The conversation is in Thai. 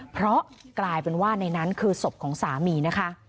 เพราะกลายเป็นว่าในนั้นคือศพของสามีนะคะ